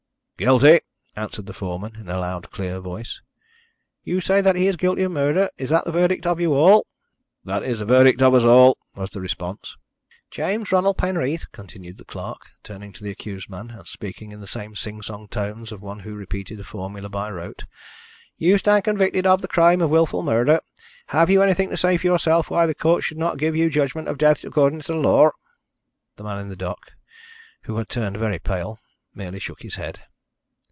"Guilty!" answered the foreman, in a loud, clear voice. "You say that he is guilty of murder, and that is the verdict of you all?" "That is the verdict of us all," was the response. "James Ronald Penreath," continued the clerk, turning to the accused man, and speaking in the same sing song tones of one who repeated a formula by rote, "you stand convicted of the crime of wilful murder. Have you anything to say for yourself why the Court should not give you judgment of death according to law?" The man in the dock, who had turned very pale, merely shook his head.